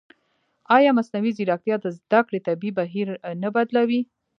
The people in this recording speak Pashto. ایا مصنوعي ځیرکتیا د زده کړې طبیعي بهیر نه بدلوي؟